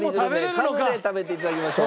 カヌレ食べていただきましょう。